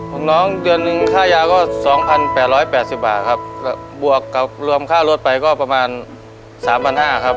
ของน้องเดือนนึงค่ายาก็๒๘๘๐บาทครับบวกกับรวมค่ารถไปก็ประมาณ๓๕๐๐บาทครับ